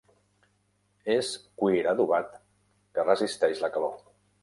És cuir adobat que resisteix la calor.